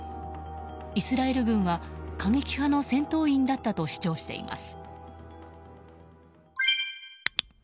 イスラエル軍は過激派の戦闘員だったと主張しています。